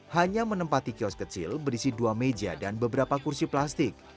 hanya menempati kios kecil berisi dua meja dan beberapa kursi plastik